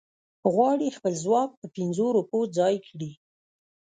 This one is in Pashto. غواړي خپل ځواک په پنځو روپو ځای کړي.